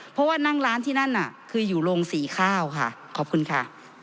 เพราะว่านั่งร้านที่นั่นน่ะคืออยู่โรงสีข้าวค่ะขอบคุณค่ะ